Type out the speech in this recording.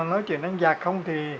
nói chuyện đánh giặc không thì